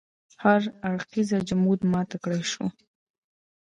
هر اړخیز جمود مات کړای شو.